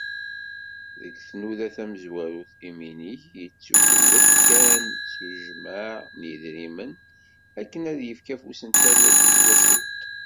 Deg tnudda tamezwarut, iminig yettukellef kan s ujmaε n yidrimen akken ad d-yefk afus n tallelt i twacult.